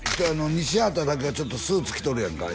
西畑だけはちょっとスーツ着とるやんかあ